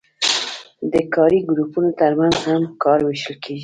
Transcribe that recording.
د کاري ګروپونو ترمنځ هم کار ویشل کیږي.